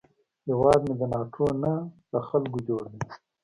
هیواد مې د ناټو نه، له خلکو جوړ دی